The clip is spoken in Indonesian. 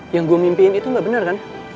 yang gue mimpiin itu gak bener kan